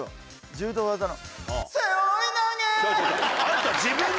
柔道技の。